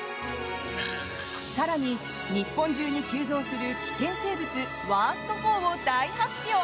更に、日本中に急増する危険生物ワースト４を大発表。